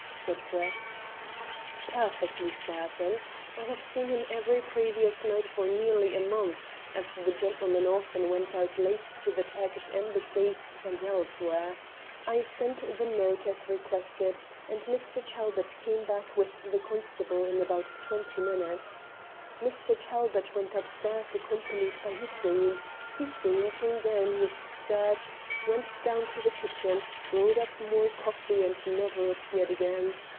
said Brett. "Perfectly certain. I have seen him every previous night for nearly a month, as the gentleman often went out late to the Turkish Embassy, and elsewhere. I sent the note, as requested, and Mr. Talbot came back with the constable in about twenty minutes. Mr. Talbot went upstairs accompanied by Hussein; Hussein came down, was searched, went down to the kitchen, brought up more coffee, and never appeared again.